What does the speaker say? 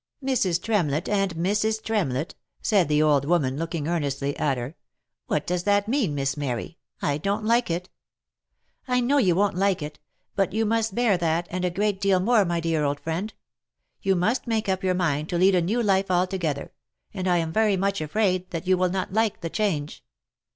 " Mrs. Tremlett, and Mrs. Tremlett," said the old woman, look ing earnestly at her, "what does that mean, Miss Mary ?— I don't like it." " I know you won't like it. But you must bear that, and a great deal more, my dear old friend. You must make up your mind to lead a new life altogether ; and I am very much afraid that you will not like the change."